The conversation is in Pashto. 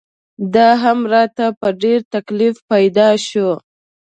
دا هم راته په ډېر تکلیف پیدا شو.